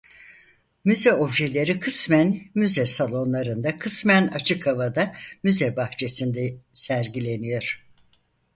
Müze objeleri kısmen müze salonlarında kısmen açık havada müze bahçesinde sergileniyor.